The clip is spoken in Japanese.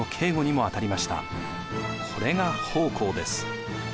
これが奉公です。